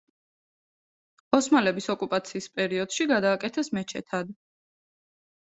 ოსმალების ოკუპაციის პერიოდში გადააკეთეს მეჩეთად.